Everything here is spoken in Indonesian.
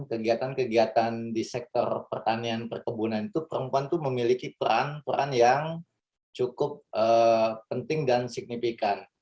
kegiatan kegiatan di sektor pertanian perkebunan itu perempuan itu memiliki peran peran yang cukup penting dan signifikan